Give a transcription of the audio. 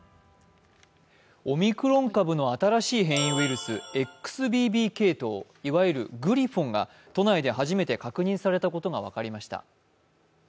オミクロン株の新しい変異ウイルス、ＸＢＢ系統、いわゆるグリフォンが都内で初めて確認されたことが分かりました。